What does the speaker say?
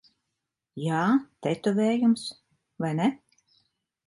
Jā, tetovējums. Vai ne?